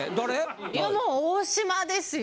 いやもう大島ですよ。